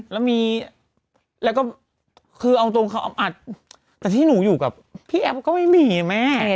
แล้วมีแล้วก็คือเอาตรงเขาอำอัดแต่ที่หนูอยู่กับพี่แอฟก็ไม่มีแม่